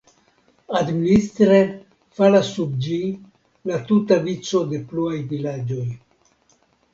Administre falas sub ĝi la tuta vico de pluaj vilaĝoj.